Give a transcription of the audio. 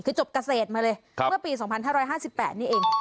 คือจบเกษตรมาเลยเมื่อปี๒๕๕๘นี่เอง